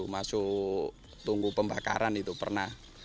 masuk tunggu pembakaran itu pernah